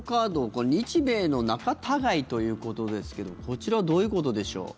これは日米の仲たがいということですけどこちらはどういうことでしょう？